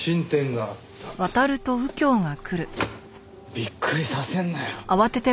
びっくりさせんなよ。